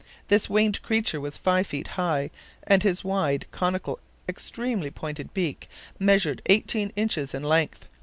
This winged creature was five feet high, and his wide, conical, extremely pointed beak, measured eighteen inches in length.